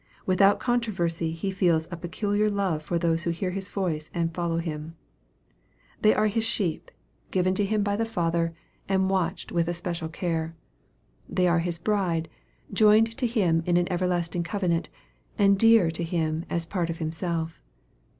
Without con troversy He feels a pec iliar love for those who hear His voice and follow Him. They are His sheep, gi r en to 210 EXPOSITORY THOUGHTS. Him by the Father, and watched with a special care. They are His bride, joined to Him in an everlasting covenant, and dear to Him as part of Himself.